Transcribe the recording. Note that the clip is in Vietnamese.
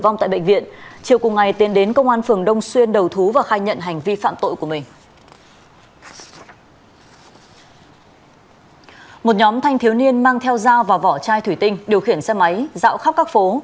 một nhóm thanh thiếu niên mang theo dao và vỏ chai thủy tinh điều khiển xe máy dạo khắp các phố